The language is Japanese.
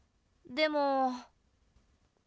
でも？